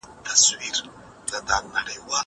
زه پرون مړۍ وخوړله.